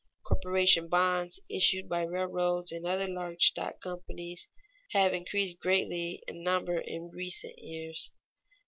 Corporation bonds, issued by railroads and other large stock companies, have increased greatly in number in recent years.